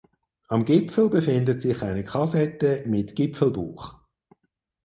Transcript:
Am Gipfel befindet sich eine Kassette mit Gipfelbuch.